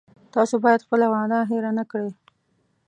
تاسو باید خپله وعده هیره نه کړی